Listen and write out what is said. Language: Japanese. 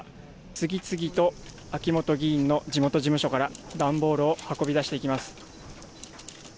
次々と秋本議員の地元事務所から段ボールを運び出していきます。